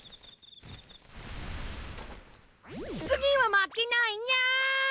つぎはまけないニャ！